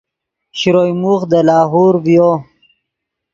شروئے موخ دے لاہور ڤیو